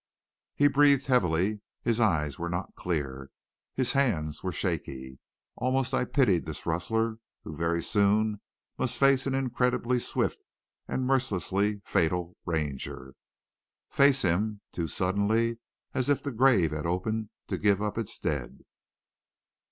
"He breathed heavily; his eyes were not clear; his hands were shaky. Almost I pitied this rustler who very soon must face an incredibly swift and mercilessly fatal Ranger. Face him, too, suddenly, as if the grave had opened to give up its dead.